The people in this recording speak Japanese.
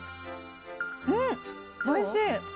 おいしい！